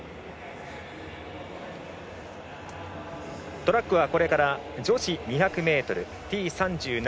トラックはこれから女子２００ｍＴ３７